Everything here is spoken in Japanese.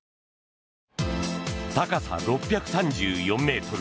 高さ６３４ｍ。